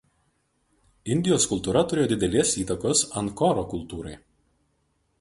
Indijos kultūra turėjo didelės įtakos Ankoro kultūrai.